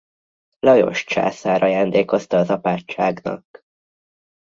Lajos császár ajándékozta az apátságnak.